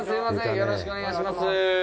よろしくお願いします。